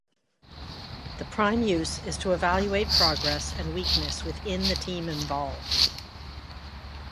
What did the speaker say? The prime use is to evaluate progress and weaknesses within the team involved.